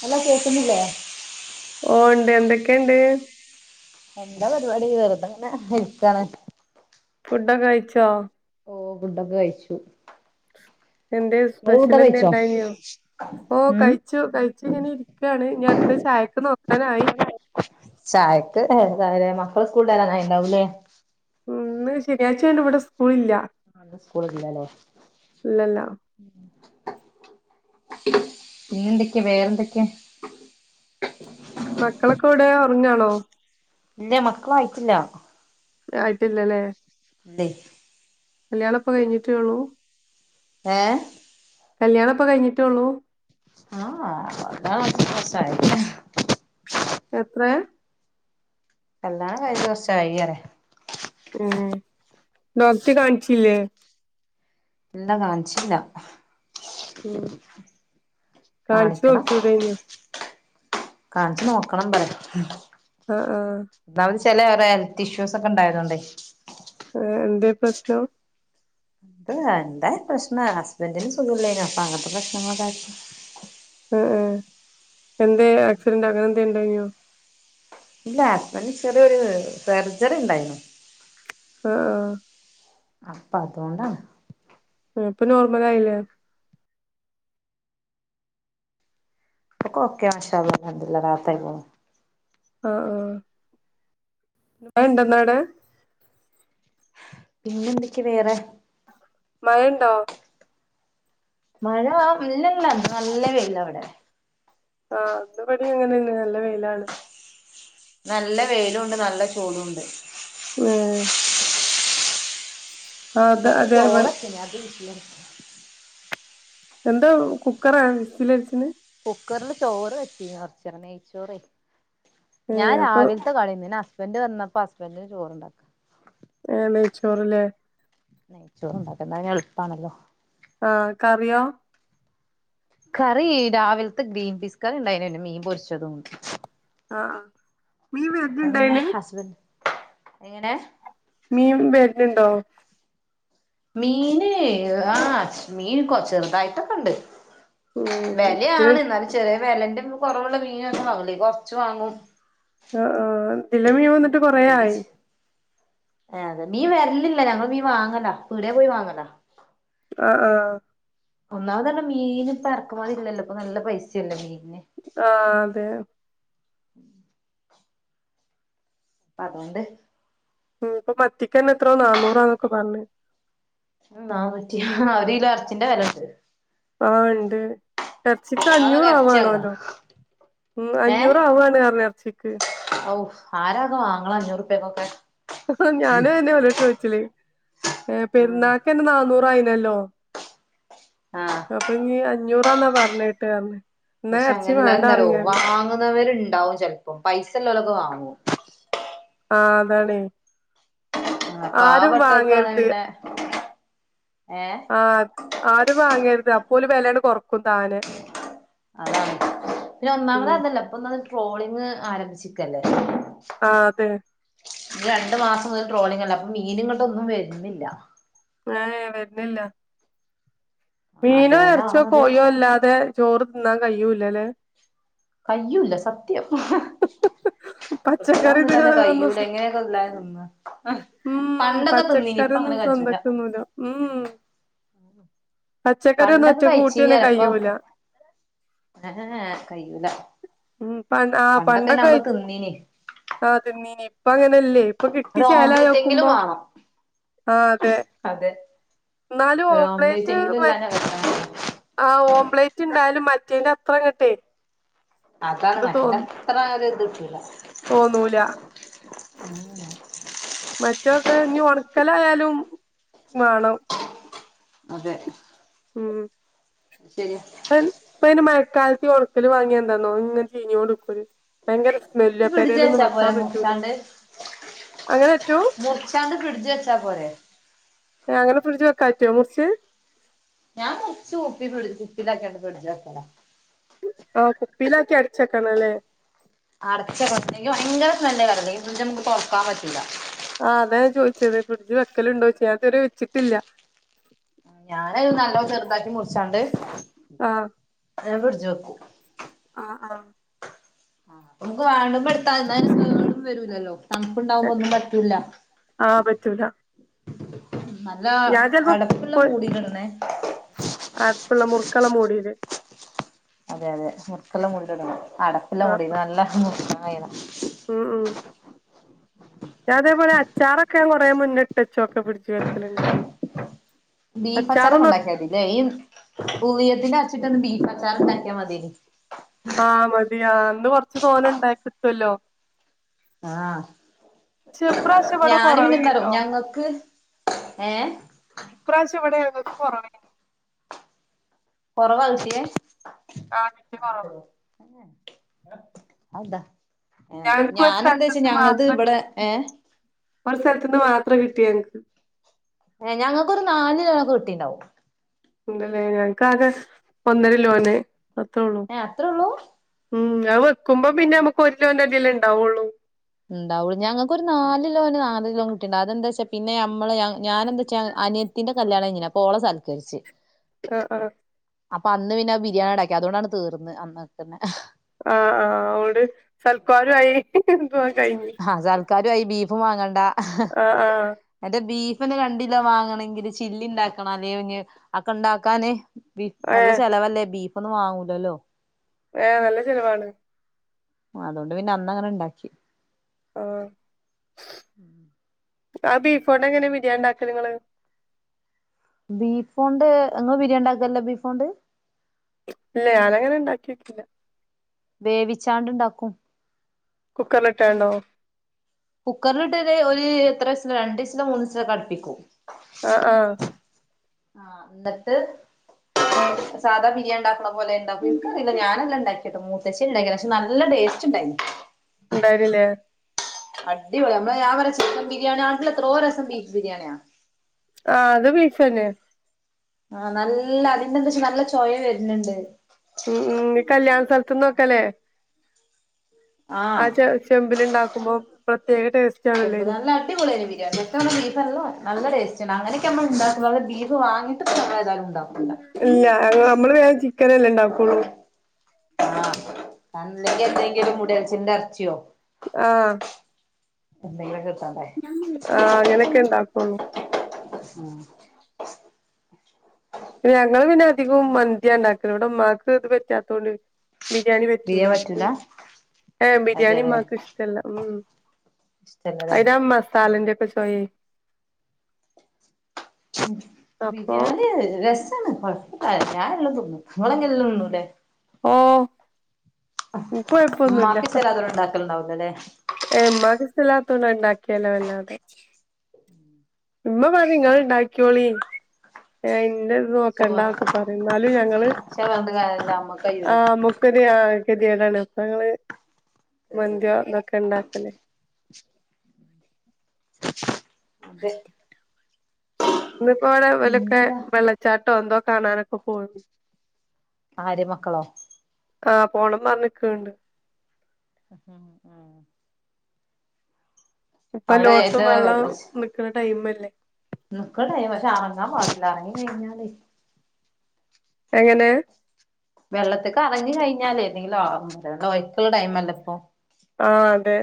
Hello... കേക്കുന്നില്ലേ.. ഓ... ണ്ട് എന്തക്കെണ്ട് എന്താ പരിപാടി വെറുതെങ്ങനെ.. ഇരിക്കാണ് ഫുഡൊക്കെ കഴിച്ചോ? ഓ... ഫുണ്ടൊക്കെ കഴിച്ചു. എന്തേ.. ഇങ്ങള് ഫുഡൊക്കെ കഴിച്ചോ സ്പെഷ്യലെന്തേൻണ്ടായിനോ..? ഓ.... ഉം കഴിച്ചു കഴിച്ചിങ്ങനിരിക്കാണ് ഇനട്ത്തത്‌ ചായക്ക് നോക്കാനായി ചായക്ക് എന്താലേ... മക്കള് സ്‌ക്കൂള്ട്ട് വരാനായിണ്ടാവുല്ലേ..? മ്.. ന്ന് ശനിയാഴ്ച്ചായോണ്ട്വ്ടെ സ്കൂളില്ല അ ന്ന്സ്കൂളില്ലാലെ... ഇല്ലല്ല പിന്നെന്തെക്കെ വേറെന്തെക്കെ മക്കളക്കെവ്ടെ ഒറങ്ങാണോ? ഇല്ല്യ.. മക്കളായിട്ടില്ല.. ആയിട്ടില്ലലേ... എന്തെ കല്യാണം ഇപ്പൊ കഴിഞ്ഞിട്ടേ ഉള്ളൂ ഏ കല്യാണം ഇപ്പൊ കഴിഞ്ഞിട്ടേ ഉള്ളൂ ആ ഒന്നര വർഷം ആയി എത്രയാ കല്ല്യാണം കഴിഞ്ഞ് ഒരു വർഷം ആയി അല്ലേ ഉം ഡോക്ടറെ കാണിച്ചില്ലേ ഇല്ലാ കാണിച്ചില്ല ഉം കാണിച്ചു കാണിക്കണം നോക്കികൂടാനോ കാണിച്ചു നോക്കണം പറ ആ ആ ചെല വേറെ ഹെൽത്ത് ഇഷ്യൂസ് ഒക്കെ ഉണ്ടായതോണ്ടെ ആ എന്താ പ്രശ്നം അത് എന്താ പ്രശ്നം ഹസ്ബൻറിന് സുഖമില്ലായിനു അപ്പൊ അങ്ങനത്തെ പ്രശ്നങ്ങളൊക്കെ ആ ആ എന്തേ ആക്സിഡന്റ് അങ്ങനെ എന്തേ ഉണ്ടയിയോ ഇല്ല ഹസ്ബന്റിന് ചെറിയൊരു സർജറി ഉണ്ടായിരുന്നു ആ ആ അപ്പ അതുകൊണ്ടാണ് ഏ, ഇപ്പൊ നോർമൽ ആയില്ലേ ഇപ്പൊ ഒക്കെ ഒക്കെയാണ് മാഷള്ള [unintelligible] ആ ആ മഴ ഉണ്ടെന്നവിടെ പിന്നെ എന്തൊക്കെയാ വേറെ മയയുണ്ടോ മഴ ഇല്ലങ്ങനെ നല്ല വെയിലാ ഇവിടെ ആ അന്ന് പണി അങ്ങനെതന്നെ നല്ല വെയിലാണ് നല്ല വെയിലും ഉണ്ട് നല്ല ചൂടും ഉണ്ട് ആ കുക്കറിൽ അതെ ഇവ ചോറ് വച്ച് അതിനാത്തെ വിസിലാ എന്താ കുക്കറാ വിസ്സൽ അടിച്ചിന് കുക്കറിൽ ചോറ് വെച്ചിരുന്നു കുറച്ച് നെയ്ച്ചോറെ ഞാൻ ഏഹ് അപ്പൊ രാവിലത്തെ കളയുന്നിനാ ഹസ്ബന്റ് വന്നപ്പോ ഹസ്ബന്റിന് ചോറുണ്ടാക്കാ ഏ നെയ്ച്ചോറല്ലേ നെയ്ചോറ് ഉണ്ടാക്കുന്നെൽ എളുപ്പാണല്ലോ ആ കറിയോ കറി രാവിലത്തെ ഗ്രീൻ പീസ് കറി ഉണ്ടായിനേന് മീൻ പൊരിച്ചതും ഉണ്ട് ആ ആ മീൻ അപ്പൊ വരുണുണ്ടോ പിന്നെ അയിന് ഹസ്ബൻഡ് എങ്ങനെ മീൻ വരുന്നുണ്ടോ മീന് ആ മീൻ കൊ ചെറുതായിട്ടൊക്കെണ്ട് ഏഹ് ഇത് വെലയാണ് എന്നാലും ചെറിയ വെലേന്റെ കുറവുള്ള മീന് ഒക്കെ വാങ്ങലേ കൊറച്ച് വാങ്ങും ആ ആ നല്ല മീൻ വന്നിട്ട് കൊറേ ആയി ആ അതെ മീൻ വരലില്ലല്ലോ ഞങ്ങൾ മീൻ വാങ്ങലാ ദൂരെ പോയി വാങ്ങണം ആ ആ ഒന്നാമത് തന്നെ മീൻ ഇപ്പം ഇറക്കുമതി ഇല്ലല്ലോ ഇപ്പൊ നല്ല പൈസയല്ലേ മീൻ ആ അതെ അതുകൊണ്ട് ഉം ഇപ്പൊ മത്തിക്കന്നെ എത്ര നാന്നൂറാന്നൊക്കെ പറഞ്ഞ് നാന്നൂറ്റി ആ ഒരു കിലോ ഇറച്ചിന്റെ വിലയുണ്ട് ആ ഇണ്ട് അറച്ചിക്ക് അതിനേക്കാൾ നല്ല ഇറച്ചി വാങ്ങാ അഞ്ഞൂറവണല്ലോ. ഉം ഏഹ് അഞ്ഞൂറവാണ്റഞ്ഞു അർച്ചിക്ക്. ഔ ആരാത് വാങ്ങണ് അഞ്ഞൂറുപ്യക്കൊക്കെ. ഹ്‌ഹും ഞാനും അയ്നെചോയിച്ചല് ആഹ് പെരുന്നാക്ക്ന്നെ നന്നൂറായി. യല്ലോ ആഹ് അപ്പഞ്ഞിഅഞ്ഞൂറാന്നാ പറഞ്ഞേട്ട്റഞ്ഞ് ദെ. പക്ഷെ അങ്ങനെയല്ലന്താനറിയോ വാങ്ങുന്നവരുണ്ടാവും ചെലപ്പം പൈസ ല്ലൊലക്കെ വാങ്ങും. ഓ ആ അതണേ ആഹ് ആരും പാവപ്പെട്ടോർക്കാണ് വാങ്ങര്‌ത്. പിന്നെ ഏഹ് ആ ആരും വാങ്ങരത് അപ്പോല് വെലങ്ങട്ട് കൊറക്കും താനെ. അതാണ് പിന്നെ ഉം ഒന്നാമത് അതല്ല ഇപ്പൊന്നമത്ട്രോളിങ് ആരംഭിച്ചക്കല്ലേ. ആ അതെ. രണ്ടു മാസം മുതൽ ട്രോളിങ്ങല്ലെ അപ്പൊ മീനങ്ങട്ടൊന്നും വരുന്നില്ല. എ എ വരുന്നില്ല. മീനോ അറച്ചിയോ അതുകൊണ്ടാണത് കോഴിയോ ഇല്ലാതെ ചോറ് തിന്നാൻ കഴൂല്ലല്ലേ. കയ്യുല്ല സത്‌യ്. ആ പച്ചക്കറി ഇത് ഒന്നുല്ലാതെ ഒന്നും കയ്യൂല്ല സു ഇങ്ങനൊക്കെ ല്ലാതെ തിന്നാ അ ഉം പണ്ടൊക്കെ തിന്നിനി പച്ചക്കറി ഇപ്പൊ ഒന്നും അങ്ങനെ കജ്ജുല്ല. സ്വന്തക്ക് തിന്നൂല പച്ചക്കറിയൊന്നും കഴിച്ചീനി ഒറ്റക്ക്കൂട്ടിയൊന്നും പറയാ ഇപ്പൊ കയൂല്ല. ഏഹ് കയ്യൂല ഉം പ ആ പണ്ടൊക്കെ നമ്മള് കഴിച്ച് തിന്നീനി ആതിന്നിനീ ഇപ്പ അങ്ങനെല്ലേ. ഇപ്പൊ ഒരു ഓംലെറ്റ് എങ്കിലും കിട്ടിച്ചേലയോക്കുമ്പോ. വേണം ആ അതെ അതെ എന്നാലും ഒരു ഓംലെറ്റ് ഓംപ്ലെറ്റ് എങ്കിലും മ ഇല്ലാഞ്ഞാ വെശക്കും ആ ഓംപ്ലേറ്റ് ഇണ്ടായാലും മറ്റേന്റെത്രങ്ങട്ടെ അതാണ് മറ്റെന്റെ അത്ര രുത്കിട്ടുല്ല. ഓന്നൂല്ല. ഉം ഉം ക്കലായാലും വേണം. അതെ ഉം ശരിയാ പ്പം [unintelligible] ക്കാലത്തി ഒണക്കല് വാങ്ങിയന്തന്നൊ ഇങ്ങനെ ചീഞ്ഞ് കൊണ്ട്ക്കും ഭയങ്കരെ വെല്ല ഫ്രിഡ്ജ് പരയിലൊന്നും വെച്ചാ വെക്കാൻ പോരെ പറ്റൂല. മുറിച്ചാണ്ട് അങ്ങനെ പറ്റോ മുറിച്ചാണ്ട് ഫ്രിഡ്ജി വെച്ചപോരെ. എ അങ്ങനെ ഫ്രിഡ്ജി വെക്കാ പറ്റോ മുറിച്ച്. ഇച്ച് ഉപ്പി വിളിച്ച് കുപ്പിലാക്കാണ്ട് ഫിട്ജി വെക്കണം ആ കുപ്പിലാക്കി അടച്ചക്കണല്ലേ? അടച്ചക്കണം ഇല്ലങ്കി ഭയങ്കര സ്മെല്ലാ [unintelligible] പിന്നെ നമുക്ക് തൊറക്കാൻ പറ്റൂല്ല. ആ അതാ ഞാൻ ചോയിചത് ഫ്രിട്ജി വെക്കലുണ്ടോയ്ച്ച് ഞാൻതുവരെ വെച്ചിട്ടില്ല. ഞാനത് നല്ലോണം ചെറുതാക്കി മുറിച്ചാണ്ട് ആഹ് അങ്ങനെ ഫ്രിഡ്ജിവെക്കും ആഹ് ആഹ് നമുക്ക് വേണ്ടുമ്പോ എടുത്ത എന്താലും [inaudible] കേടുംവരൂല്ലല്ലോ. തണുപ്പുണ്ടാവുമ്പോ ഒന്നും പറ്റൂല്ല. ആഹ് പറ്റൂല നല്ല ഞാൻ ചെലപ്പോ അടപ്പുള്ള പ്പ് മൂടിലിടണേ. അടുപ്പുള്ള മുർക്കള മൂടില് അതെ അതെ മുറുക്കള്ള മുടിലിടണം അടപ്പുള്ളമുടി ആഹ് നല്ല മുറുക്കായണം. ഞാ അതേപോലെ അച്ചാറൊക്കെ കുറെ മുന്നിട്ട് വച്ചോക്കെ ഫിട്ജി വെക്കലണ്ട്. ബീഫ് അച്ചാറൊക്കെ ഉണ്ടാക്കിയാതി ല്ലെ ഈ ഉളിയത്തിന്റെ അറച്ചിട്ടൊന്ന് ബീഫ് അച്ചാറുണ്ടാക്കിയാമതി. ആ മതിയ അന്ന് കൊറച്ച് തോനെ ഉണ്ടക്കി കിട്ടുല്ലോ ആ പക്ഷെ ഇപ്രാവശം ഇവിടെ കുറവ്ണേട്ടോ ഞങ്ങക്ക് ഏഹ് ഇപ്രാവശ്യ ഇവിടെ ഞങ്ങക്ക് കൊറവേനി കുറവാ കിട്ടിയേ ആഎനിക്ക് കൊറവ അതെന്താ ഏഹ് ഞങ്ങക്ക് ഒരു ഞാനെന്താച്ചാ സ്ഥലത്തുന്ന് ഞങ്ങൾത് മാത്രം ഇവിടെ കിട്ടി ഏഹ് ഒരു സ്ഥലത്തന്ന് മാ എത്ര കിട്ടിയനക്ക്‌ ഏ ഞങ്ങൾക്കൊരു നാലു തണ കിട്ടിണ്ടാവും ഉണ്ടല്ലേ ഞങ്ങക്ക് ആകെ ഒന്നര ലോന്റെ അത്രോള്ളൂ ഏഹ് അത്രേ ഉള്ളൂ ഉം അത് വെക്കുമ്പോ പിന്നെ നമുക്ക് ഒരു കിലോന്റെ അടിയല്ലേ ഇണ്ടാവുള്ളൂ ഉണ്ടാവൂള്ളൂ ഞങ്ങൾക്ക് ഒരു നല്കിലോന് നാല്കിലോ കിട്ടിട്ടണ്ട് അതെന്താച്ച പിന്നെ നമ്മള് ഞാനെന്താച്ചാ അനിയത്തിന്റെ കല്യാണകഴിഞ്ഞിനി അപ്പൊ ഓളെ സൽക്കരിച്ചു ആ ആ അപ്പൊ അന്ന് പിന്നെ അ ബിരിയാണി ഉണ്ടാക്കി അതുകൊണ്ടാട്ട് തീർന്ന് അന്ന്തന്നെ ആ ആ ഒരു സൽക്കാരായി അപ്പൊ കഴിഞ്ഞു രോ ആയി ബീഫും വാങ്ങണ്ട ആ ആ എത് ബീ പിന്നെ രണ്ട് കിലോ വാങ്ങണെങ്കില് ചില്ലി ഉണ്ടാക്കണം അല്ലെ ഇന്ന് അക്കെ ഉണ്ടാക്കാന് ബീഫ് ഏ നല്ല ചെലവല്ലേ ബീഫ് ഒന്നും വാങ്ങൂലല്ലോ ഏർ നല്ല ചിലവാണ് അതുകൊണ്ട് പിന്നെ അന്നങ്ങനെ ഇണ്ടാക്കി ആ ആ ബീഫോണ്ട് എങ്ങനെ ബിരിയാണി ഉണ്ടാക്ക നിങ്ങള് ബീഫോണ്ട് നിങ്ങ ബിരിയാണ്ടി ആക്കല്ലോ ബീഫോണ്ട് ഇല്ല ഞാനങ്ങനെ ഉണ്ടാക്കിക്കില്ല വേവിച്ചാണ്ടുണ്ടാക്കും കുക്കറിൽ ഇട്ട് ഇട്ടാണ്ടോ കുക്കറിിലിട്ട ഒരു എത്ര വസില രണ്ട ഇസിലോ മൂന്ന ഇസിലോ കടുപ്പിക്കും ആഹ ആഹ ആഹ എന്നിട്ട് ആ സാധാ ബിരിയാണിണ്ടാക്കണം അതുപോലെ ഇിക്ക അറിയി ഞാനെല്ലാംണ്ടി കേട്ട മൂത്തച്ചേരി ഉണ്ടാക്ക പക്ഷെ നല്ല ടേസ്റ്റ് ഉണ്ടായിരുന്നു ഉണ്ടായിരില്ലേ അടിപൊളി നമ്മള് ഞാൻ പറരെ ചിക്കൻ ബിരിയാണി ആണട്ടില്ല എത്രോ രസം ബീഫ് ബിരിയാണിയാ ച്ചനെ ആഹ നല്ല അതിന്റെന്താ വച്ചാ നല്ല ചോയ വരുന്നുണ്ട് ഉം ഉ കല്യാണ സ്ഥലത്തന്ന് നോക്കല്ലേ ആ ആഹ് ചെ ചെമ്പിൽ ഉണ്ടാക്കുമ്പോ പ്രത്യേക ടേസ്റ്റ് ആണല്ലോ എമ്പ അയിന് നല്ല അടിപൊളിയയിന് ബിരിയാണി ഒ ബീഫല്ലോ നല്ലടേസ്റ്റ് അങ്ങനൊക്കെ നമ്മ ഉണ്ടീ് വാങ്ങിട്ട്തണ്ട് ഇല്ല നമ്മള് വേ ചിക്കന എല്ലാം ഇണ്ടാക്കള്ളൂ അല്ലെങ്കിൽ എന്തെങ്കിലും മുടിയൽച്ചന്റെറെ അർഥിയോ ആഹ എ ആഹങ്ങനക്ക എന്താക്കോണൂ ആഹ ഞങ്ങള്ൾ പിന്നെ അധികം മന്തിയ ഉണ്ടാക്ക ഇവിടെമ്മാക്ക് ഇത് പറ്റാത്തതോണ്ട് ബിരിയാണി വെച്ചൂല ബിരിയാണി അപ്പ പറ്റൂല ഏ ബിരിയാണി അതെല്ലേ മാക്ക് ഇഷ്ട്ടല്ലാം ഉം ഇഷ്ടല്ലല്ലേ അതാ മസാലന്റെൊക്കെ ചോയി അപ്പൊ ബിരിയാണി അ രസ [unintelligible] [unintelligible] [unintelligible] [unintelligible] [unintelligible] [unintelligible] [unintelligible] [unintelligible] ഓ എനിക്ക് കുഴപ്പമൊന്നുമില്ല ഉമ്മാക്ക് ഇഷ്ടല്ലാത്തോര് ഉണ്ടാക്കലുണ്ടാവൂലല്ലേ [unintelligible] തുണ ഉണ്ടാക്കിയല്ലോ വല്ലാതെ ഉമ്മ പറഞ്ഞു നിങ്ങൾ ഉണ്ടാക്കോളി ഏ ഇന്റെ ചൊവ്വ നോക്കണ്ടന്നോക്കെ പറയും ഇന്നാലും ഞങ്ങള് പക്ഷെ പറഞ്ഞിട്ട് കാര്യല്ല അമ്മക്ക് ആ കയ്യൂല നമുക്കര് ആ കതിയാടാണ് അപ്പങ്ങള് ഗതികേടാണ് മന്തിയോന്നൊക്കെ ഉണ്ടാക്കല് അതെ ഇന്നിപ്പോ അവിടെ വലൊക്കെ പിന്നെന്താ വെള്ളച്ചാട്ടോ എന്തോ കാണാനൊക്കെ പോയിരുന്നു ആര് മക്കളോ ആ പോണം പറഞ്ക്കണണ്ട് ഹ ആ ഇപ്പഎല്ലേടുത്ത് ഇത് വെള്ളം നിക്കണ ടൈമ് അല്ലേ നിക്ക്ണ് ട്ടൈ പക്ഷെ ഇറങ്ങാൻ പാടില്ല ഇറങ്ങി കഴിഞ്ഞാല് എങ്ങനെ വെള്ളത്തിക്കെ ഇറങി കഴിഞ്ഞാലേഏതെങ്കിലും ആവും ഒ യ്ക്കള്ള ടൈംല്ലേ ഇപ്പൊ ആ അതെ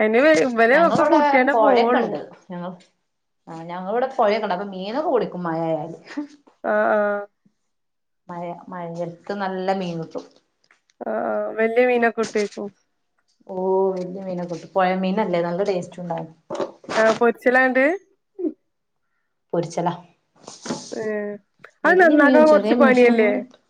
അയ്ന് ഇവലെ ഞങ്ങളെ ഒക്കെ ഇവിടെ കൂട്ടിയാണ്ടേ പുഴയൊക്കെ പോവൊള്ളൂ ഉണ്ട് ഞങ്ങൾ ആ ഞങ്ങളെ ഇവിടെ പുഴയൊക്കണ്ട അപ്പൊ മീനൊക്കെ പൂടിക്കും മഴായായാല് ആ ആ മഴ മഴയടുത്ത് നല്ല മീൻ കിട്ടും ആ വലിയ മീനൊക്കെ കിട്ടേയ്ക്കും ഓ വലിയ മീനൊ കിട്ടും പുഴയ മീനല്ലേ നല്ല ടേസ്റ്റ് ഉണ്ടായിരുന്നു ഏ പൊരിച്ചലാ ഏഹ് അത് വലിയ നന്നാക്കാൻ മീനും ചെറിയ കൊറച്ച് മീന ഇഷ്ടം പണിയല്ലേ പോലെ കിട്ടും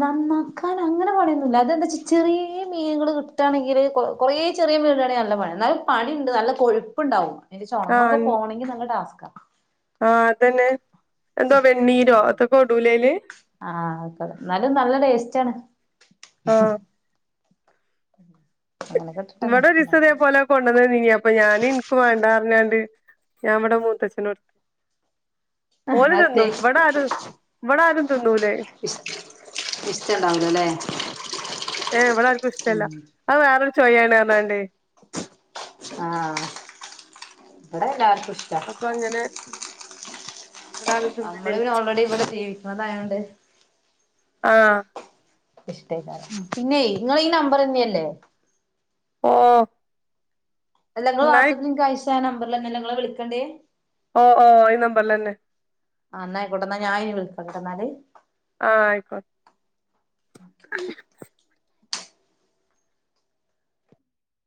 നന്നാക്കാൻ അങ്ങനെ പണിയൊന്നില്ല അതെന്താ വെച്ചാ ചെറിയ മീനുകൾ കിട്ടുകയാണെങ്കില് കുറെ ചെറിയാ ചെറിയ മീനാണെങ്കിൽ നല്ല പണിയാ ഇന്നാലും പണിയുണ്ട് നല്ല കൊഴപ്പുണ്ടാവും അതിനി ചുണങ്ങ് ഒക്കെ പോകണങ്കിൽ നല്ല ടാസ്ക്കാ ആ അതന്നെ എന്തോ ശ്ശെ ആ വെണ്ണീരോ എ തൊക്കെ ഇടുലേ അയ്ല് ആ ഒക്കേഇടും എന്നാലും നല്ല ടേസ്റ്റ് ആണ് ആഹ് അങ്ങനൊക്കെ ഇട്ടിട്ടന്നെ ഇവിടെ ഒരുസം ഉണ്ടാക്ക ഇതേപോലെ കൊണ്ടുവന്ന്നീ അപ്പൊ ഞാന് ഇ നിക്ക് മാണ്ട പറ ഞാണ്ട് ഞാൻ ഇവടെ മൂത്തച്ഛനോടുത്ത് ഓല് അതെ തിന്നും ഇവിടെ ആരും ഇവിടെ ആരും തിന്നുലാ അയ് ഇഷ്ടുണ്ടാവലോല്ലേ ഏ ഇവിടെ ആർക്കും ഇഷ്ടമല്ല അത് വേറെരു ചോയ ആണ്പറഞാണ്ട് ആ ഇബടെ എല്ലാവർക്കും അപ്പൊ അങ്ങനെ ഇവിടാരും നമ്മള് തിന്നലില്ല പിന്നെ ഓൾറെഡി ഇവിടെ ജീവിക്കുന്നതായോണ്ട് ആ ഇഷ്ടേക്ക പിന്നെ നിങ്ങ നമ്പർന്നെയല്ലേ ആ നിങ്ങള് വാട്സആപ്പിൽ ഇനിക്ക് അയച്ച നമ്പറിൽ തന്നെ ഇങ്ങളെ വിളിക്കണ്ടേ ഓ ഓ ഈ നമ്പറിൽ തന്നെ ആ എന്നായിക്കോട്ട എന്നാ ഞൻന് വിളിക്കണ്ട് കേട്ട എന്നാല് ആ ആയിക്കോ